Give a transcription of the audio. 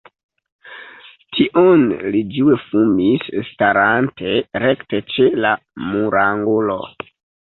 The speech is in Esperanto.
Tiun li ĝue fumis, starante rekte ĉe la murangulo.